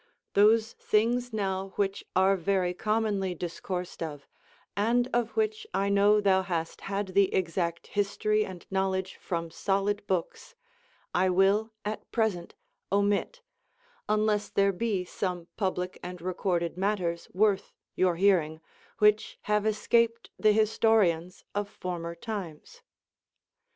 Those things now which are very commonly discoursed of, and of which I know thou hast had the exact history and knowledge froni solid books, I will at present omit, unless there be some public and recorded matters worth your hearing, which have escaped the historians of former times.